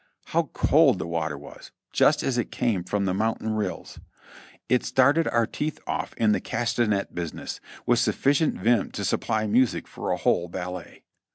How cold the water was, just as it came from the mountain rills. It started our teeth off in the Castanet business, with sufficient vim to supply music for a whole ballet.